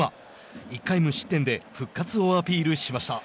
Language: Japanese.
１回無失点で復活をアピールしました。